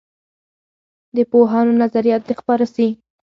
د پوهانو نظریات دې خپاره سي.